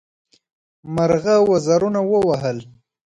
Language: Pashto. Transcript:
مرغه وزرونه ووهل.